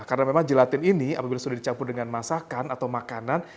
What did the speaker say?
karena memang gelatin ini apabila sudah dicampur dengan masakan atau makanan